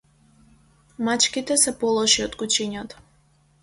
Мачките се полоши од кучињата.